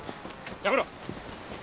やめろ！